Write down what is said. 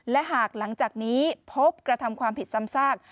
และหากหลังจากนี้พบกระทำความผิดซ้ำซาก